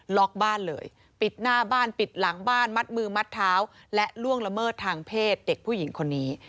ล็อกบ้านเลยปิดหน้าบ้านปิดหลังบ้านมัดมือมัดเท้าและล่วงละเมิดทางเพศเด็กผู้หญิงคนนี้